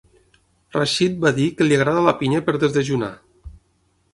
Rachid va dir que li agrada la pinya per desdejunar.